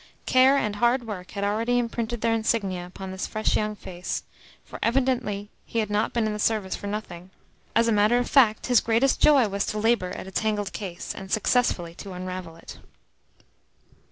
Care and hard work had already imprinted their insignia upon his fresh young face; for evidently he had not been in the Service for nothing. As a matter of fact, his greatest joy was to labour at a tangled case, and successfully to unravel it.